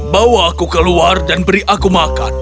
bawa aku keluar dan beri aku makan